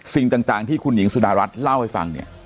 สิ่งต่างที่คุณหญิงสุดารัฐเล่าให้ฟังเนี่ย